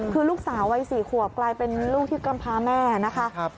คือลูกสาววัย๔ขวบกลายเป็นลูกที่กำพาแม่นะคะ